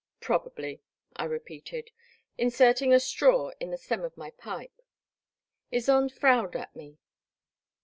"Probably," I repeated, inserting a straw in the stem of my pipe. Ysonde frowned at me.